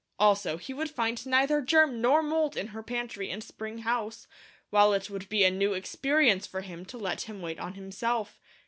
Also, he would find neither germ nor mould in her pantry and spring house, while it would be a new experience for him to let him wait on himself.